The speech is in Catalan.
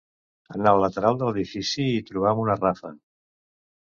En el lateral de l'edifici hi trobam una rafa.